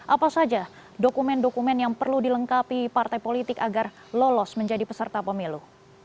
apa saja dokumen dokumen yang perlu dilengkapi partai politik agar lolos menjadi peserta pemilu